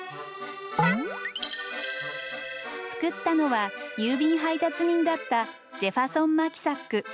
作ったのは郵便配達人だったジェファソン・マキサック。